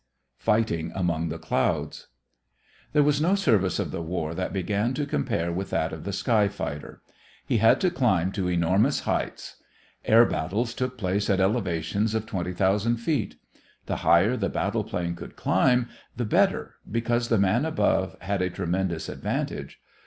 FIGHTING AMONG THE CLOUDS There was no service of the war that began to compare with that of the sky fighter. He had to climb to enormous heights. Air battles took place at elevations of twenty thousand feet. The higher the battle plane could climb, the better, because the man above had a tremendous advantage.